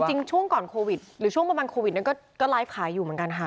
จริงช่วงก่อนโควิดหรือช่วงประมาณโควิดนั้นก็ไลฟ์ขายอยู่เหมือนกันค่ะ